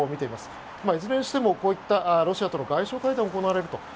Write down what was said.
いずれにしてもこういったロシアとの外相会談が行われると。